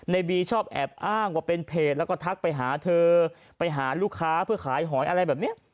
ในบีชอบแอบอ้างว่าเป็นเพจแล้วก็ทักไปหาเธอไปหาลูกค้าเพื่อขายหอยอะไรแบบนี้